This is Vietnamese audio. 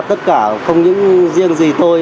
tất cả không những riêng gì thôi